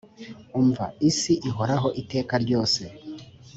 umva isi ihoraho iteka ryose